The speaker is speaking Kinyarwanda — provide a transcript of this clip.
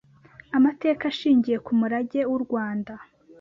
amateka ashingiye ku murage w’u Rwanda